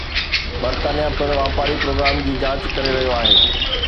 برطانيه پڻ واپاري پروگرام جي جانچ ڪري رهيو آهي